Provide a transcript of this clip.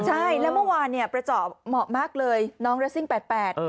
ใช่แล้วเมื่อวานเนี่ยประเจาะเหมาะมากเลยน้องเรสซิ่งแปดแปด